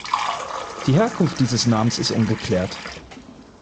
Die Herkunft dieses Namens ist ungeklärt.